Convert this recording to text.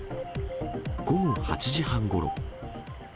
午後８時半ごろ。